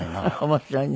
面白いね。